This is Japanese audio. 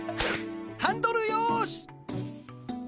ハンドルよし。